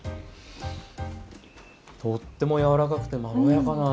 とっても柔らかくてまろやかな味！